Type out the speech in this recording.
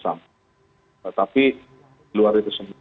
kalau padahal hadiran yangmmmhami